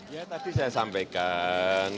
ya tadi saya sampaikan